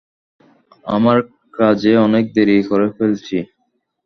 আমার কাজে অনেক দেরি করে ফেলছি।